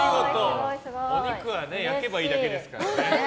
お肉は焼けばいいだけですからね。